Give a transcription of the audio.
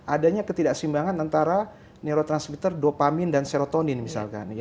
adanya ketidaksimbangan antara neurotransmitter dopamine dan serotonin misalkan